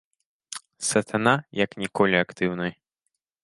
Сатана як ніколі актыўны.